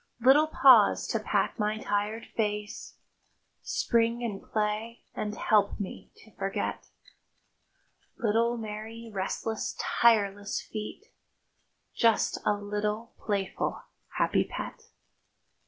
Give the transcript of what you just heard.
Little paws to pat my tired face, Spring and play, and help me to forget. Little, merry, restless, tireless feet— Just a little playful, happy pet.